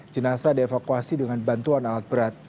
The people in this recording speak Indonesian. jenasa dievakuasi dengan bantuan alat berat